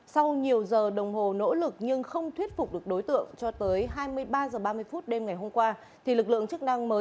sau nhiều giờ đồng hồ nỗ lực nhưng không thuyết phục được đối tượng cho tới hai mươi ba h ba mươi phút đêm ngày hôm qua